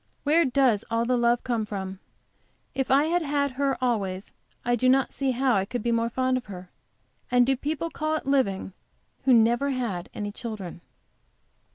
Where does all the love come from? If I had had her always I do not see how I could be more fond of her. And do people call it living who never had any children?